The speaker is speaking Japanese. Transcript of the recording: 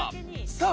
さあ！